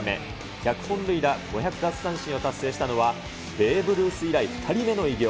１００本塁打、５００奪三振を達成したのは、ベーブ・ルース以来２人目の偉業。